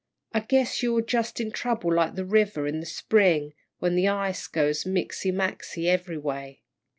I guess you're jus' in trouble like the river in the spring, when the ice goes mixy maxy every way."